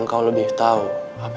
udh push moment ya verdad ya